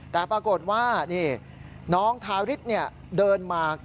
แต่ปรากฏว่านี่น้องทาริสเดินมา